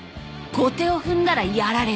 後手を踏んだらやられる。